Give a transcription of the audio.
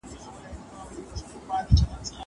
زه ليکلي پاڼي ترتيب کړي دي.